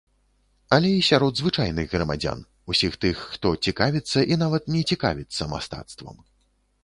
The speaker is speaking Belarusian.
Але і сярод звычайных грамадзян, усіх тых, хто цікавіцца і нават не цікавіцца мастацтвам.